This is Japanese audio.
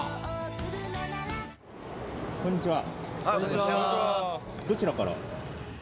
一同：こんにちは。